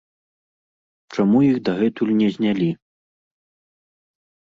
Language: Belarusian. Чаму іх дагэтуль не знялі?